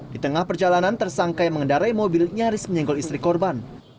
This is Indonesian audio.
di tengah perjalanan tersangka yang mengendarai mobil nyaris menyenggol istri korban